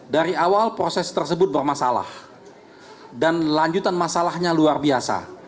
dari awal proses tersebut bermasalah dan lanjutan masalahnya luar biasa